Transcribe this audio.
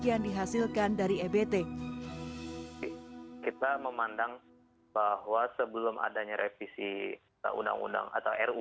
yang dihasilkan dari ebt kita memandang bahwa sebelum adanya revisi undang undang atau ru